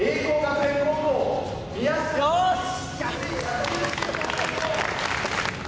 よし！